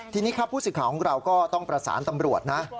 ทีนี้ครับผู้สื่อข่าวของเราก็ต้องประสานตำรวจนะ